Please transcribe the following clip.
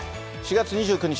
４月２９日